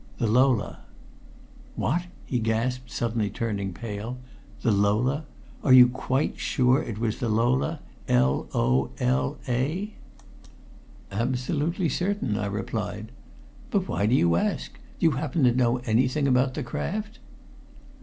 "The Lola." "What!" he gasped, suddenly turning pale. "The Lola? Are you quite sure it was the Lola L O L A?" "Absolutely certain," I replied. "But why do you ask? Do you happen to know anything about the craft?"